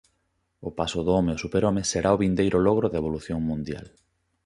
O paso do home ao superhome será o vindeiro logro da evolución mundial.